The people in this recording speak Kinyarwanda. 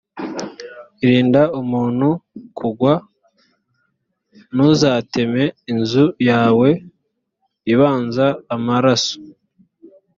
rinda umuntu kugwa: ntuzatume inzu yawe ibazwa amaraso